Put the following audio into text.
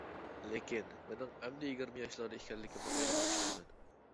لېكىن مېنىڭ ئەمدى يىگىرمە ياشلاردا ئىكەنلىكىمنى ئويلىماپتىكەن.